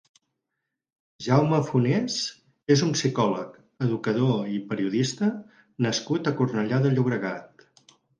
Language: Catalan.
Jaume Funes és un psicòleg, educador i periodista nascut a Cornellà de Llobregat.